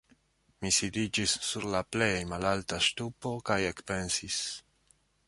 Mi sidiĝis sur la plej malalta ŝtupo kaj ekpensis.